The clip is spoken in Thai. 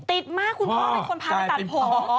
ติดมากคุณพ่อเป็นคนพาไปตัดผม